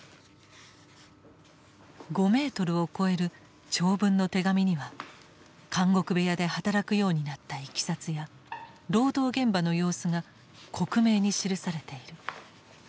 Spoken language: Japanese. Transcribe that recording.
５メートルを超える長文の手紙には監獄部屋で働くようになったいきさつや労働現場の様子が克明に記されている。